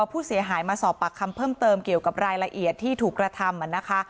ผู้เสียหายมาสอบปากคำเพิ่มเติมเกี่ยวกับรายละเอียดที่ถูกกระทำนะคะ